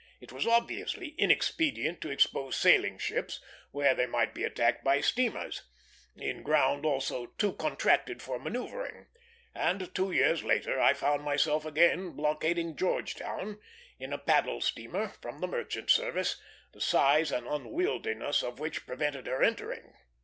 It was obviously inexpedient to expose sailing ships where they might be attacked by steamers, in ground also too contracted for manoeuvring; and two years later I found myself again blockading Georgetown, in a paddle steamer from the merchant service, the size and unwieldiness of which prevented her entering.